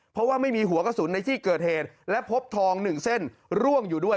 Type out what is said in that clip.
เพราะว่าไม่มีหัวกระสุนในที่เกิดเหตุและพบทอง๑เส้นร่วงอยู่ด้วย